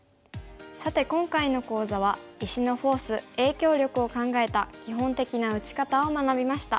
さて今回の講座は石のフォース影響力を考えた基本的な打ち方を学びました。